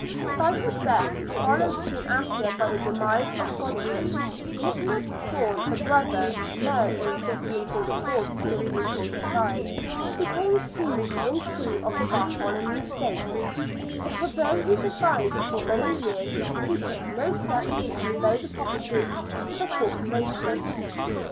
By his death, followed soon after by the demise of Goderich, Nicholas Thome, the brother (Mayor in 1544 5), became seized in fee of the Bartholomew estate, but although he survived for many years, he took no steps to convey the property to the Corporation.